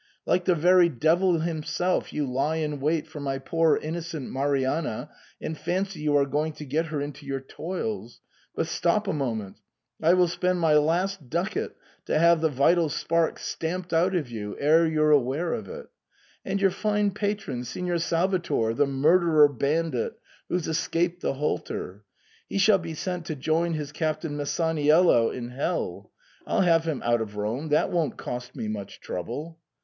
Like the very devil himself, you lie in wait for my poor innocent Marianna, and fancy you are going to get her into your toils — ^but stop a moment ! I will spend my last ducat to have the vital spark stamped out of you, ere you're aware of it And your fine patron, Signor Salvator, the murderer — ban dit — who's escaped the halter — ^he shall be sent to join his captain Masaniello in hell — I'll have him t>ut of Rome ; that won't cost me much trouble.'